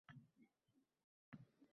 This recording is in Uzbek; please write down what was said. o’ziga